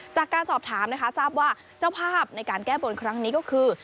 จากการสอบถามนะคะทราบว่าเจ้าภาพในการแก้บนครั้งนี้ก็คือ